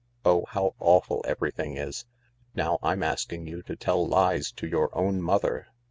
Oh, how awful everything is 1 Now I'm asking you to tell lies to your own mother."